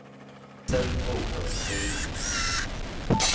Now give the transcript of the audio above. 真不可思議